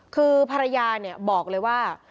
คือภรรยาบอกเลยว่า